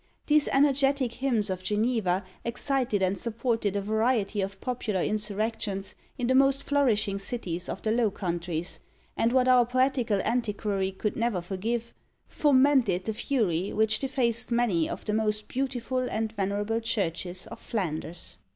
These energetic hymns of Geneva excited and supported a variety of popular insurrections in the most flourishing cities of the Low Countries, and what our poetical antiquary could never forgive, "fomented the fury which defaced many of the most beautiful and venerable churches of Flanders."